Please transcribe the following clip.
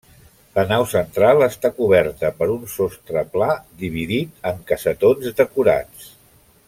La nau central està coberta per un sostre pla dividit en cassetons decorats.